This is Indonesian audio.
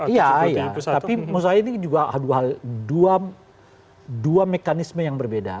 iya tapi menurut saya ini juga dua mekanisme yang berbeda